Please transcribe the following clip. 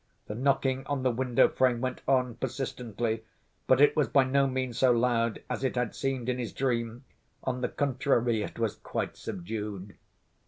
The knocking on the window frame went on persistently, but it was by no means so loud as it had seemed in his dream; on the contrary, it was quite subdued.